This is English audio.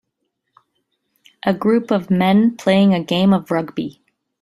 A group of men playing a game of rugby.